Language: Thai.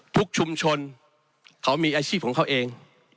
ชุมชนเขามีอาชีพของเขาเอง